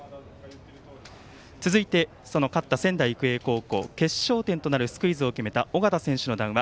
続いて、その勝った仙台育英高校、決勝点となるスクイズを決めた尾形選手の談話